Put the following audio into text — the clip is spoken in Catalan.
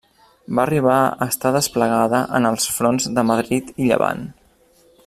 Va arribar a estar desplegada en els fronts de Madrid i Llevant.